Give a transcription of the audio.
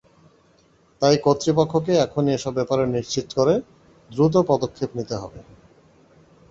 তাই কর্তৃপক্ষকে এখনই এসব ব্যাপার নিশ্চিত করে দ্রুত পদক্ষেপ নিতে হবে।